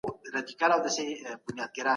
تاسو د ښه ذهنیت سره په خپلو چارو کي بریالي یاست.